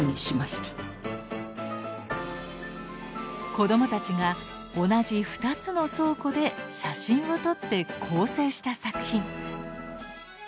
子どもたちが同じ２つの倉庫で写真を撮って構成した作品。